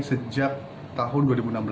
sejak tahun dua ribu enam belas